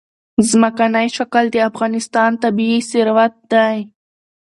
ځمکنی شکل د افغانستان طبعي ثروت دی.